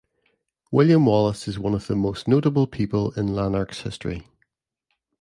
William Wallace is one of the most notable people in Lanark's history.